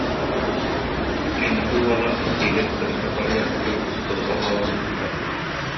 Кэнники уола Васильев Христофор Яковлевич кулуба буола сылдьыбыта